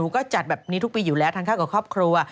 ก็จัดแบบนี้ทุกปีอยู่แล้วทานข้าวกับครอบครัว